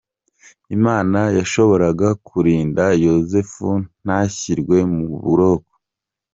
Imana yashoboraga kurinda Yozefu ntashyirwe mu buroko.